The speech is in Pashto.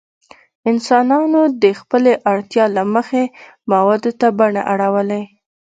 انسانانو د خپلې اړتیا له مخې موادو ته بڼه اړولې.